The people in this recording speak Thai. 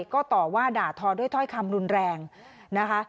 ก็ต่อว่าด่าทอด้วยถ้อยคำรุนแรงนะคะ